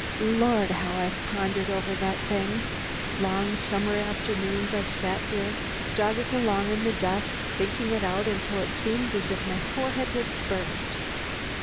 Lord, how I've pondered over that thing! Long summer afternoons I've sat here, jogging along in the dust, thinking it out until it seemed as if my forehead would burst.